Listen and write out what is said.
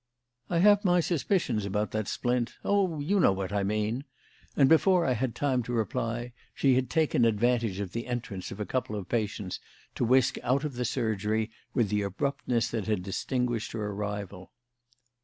I have my suspicions about that splint oh, you know what I mean," and before I had time to reply, she had taken advantage of the entrance of a couple of patients to whisk out of the surgery with the abruptness that had distinguished her arrival.